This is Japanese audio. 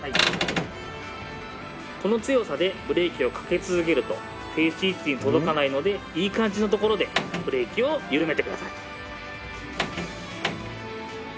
この強さでブレーキをかけ続けると停止位置に届かないのでいい感じのところでブレーキを緩めてください。